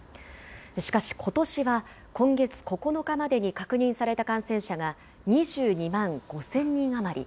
しかしことしは、今月９日までに確認された感染者が２２万５０００人余り。